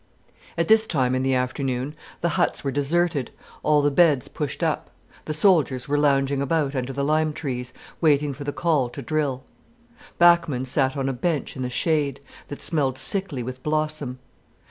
At this time in the afternoon, the huts were deserted, all the beds pushed up, the soldiers were lounging about under the lime trees waiting for the call to drill. Bachmann sat on a bench in the shade that smelled sickly with blossom.